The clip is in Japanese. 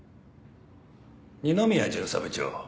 二宮巡査部長。